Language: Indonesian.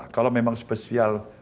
kalau memang spesial